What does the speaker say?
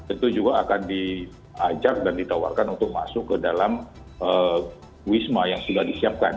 itu juga akan diajak dan ditawarkan untuk masuk ke dalam wisma yang sudah disiapkan